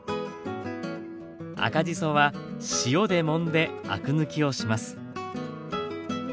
赤じそは塩でもんでアク抜きをします。